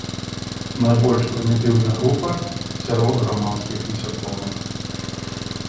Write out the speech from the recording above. Найбольш прымітыўная група сярод грамадскіх насякомых.